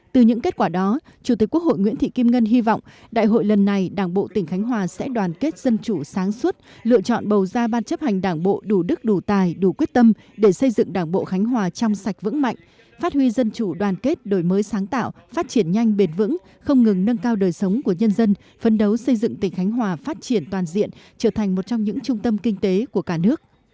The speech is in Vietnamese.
từ những kết quả đó chủ tịch quốc hội nguyễn thị kim ngân hy vọng đại hội lần này đảng bộ tỉnh khánh hòa sẽ đoàn kết dân chủ sáng suốt lựa chọn bầu ra ban chấp hành đảng bộ đủ đức đủ tài đủ quyết tâm để xây dựng đảng bộ khánh hòa trong sạch vững mạnh phát huy dân chủ đoàn kết đổi mới sáng tạo phát triển nhanh bền vững không ngừng nâng cao đời sống của nhân dân phấn đấu xây dựng tỉnh khánh hòa phát triển toàn diện trở thành một trong những trung tâm kinh tế của cả nước